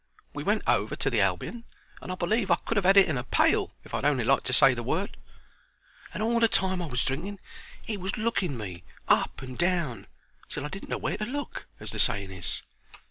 We went over to the Albion, and I believe I could have 'ad it in a pail if I'd on'y liked to say the word. And all the time I was drinking he was looking me up and down, till I didn't know where to look, as the saying is.